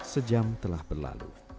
sejam telah berlalu